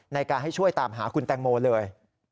ในการให้ช่วยตามหาคุณแตงโมเลย